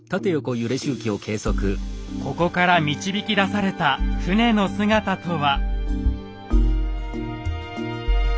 ここから導き出された船の姿とは。